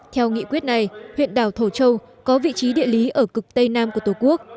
theo nghị quyết này huyện đảo thổ châu có vị trí địa lý ở cực tây nam của tổ quốc